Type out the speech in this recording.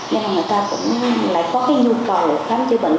nhưng mà người ta cũng lại có cái nhu cầu khám chữa bệnh